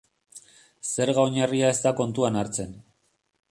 Zerga oinarria ez da kontuan hartzen.